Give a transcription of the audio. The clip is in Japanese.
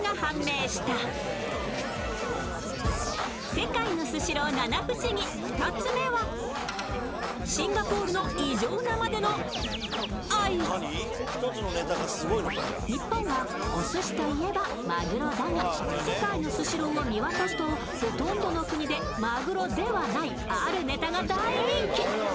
世界のスシロー七不思議２つ目は日本はお寿司といえばまぐろだが世界のスシローを見渡すと、ほとんどの国でまぐろではないあるネタが大人気。